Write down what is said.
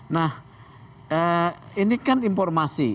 nah ini kan informasi